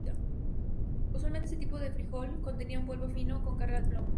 Usualmente este tipo de "frijol" contenía un polvo fino con carga de plomo.